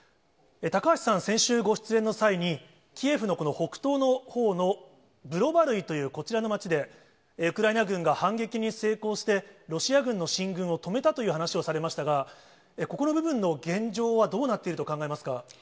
高橋さん、先週、ご出演の際に、キエフのこの北東のほうのブロバルイという、こちらの街で、ウクライナ軍が反撃に成功して、ロシア軍の進軍を止めたという話をされましたが、ここの部分の現状はどうなっていると考えますか？